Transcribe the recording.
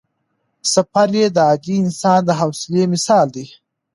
سفر یې د عادي انسان د حوصلې مثال دی.